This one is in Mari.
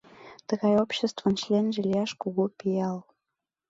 Тыгай обществын членже лияш — кугу пиал.